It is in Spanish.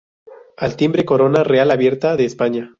Al timbre, corona real abierta de España.